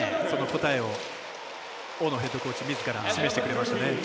その答えを大野ヘッドコーチみずから示してくれましたね。